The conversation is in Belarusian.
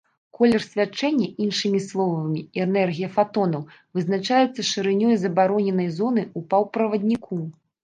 Колер свячэння, іншымі словамі, энергія фатонаў, вызначаецца шырынёй забароненай зоны ў паўправадніку.